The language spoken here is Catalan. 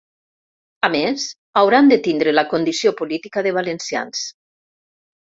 A més, hauran de tindre la condició política de valencians.